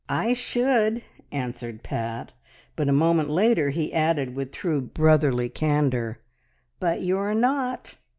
"I should!" answered Pat; but a moment later he added, with true brotherly candour, "But you're not."